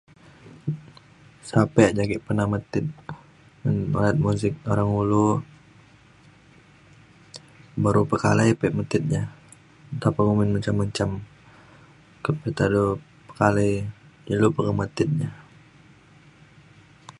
sape ja ake pernah metit ba’an muzik Orang Ulu meru pekalai pa yak metit ja nta pa u menjam menjam kak petaru pekalai ilu pe ngemetit ja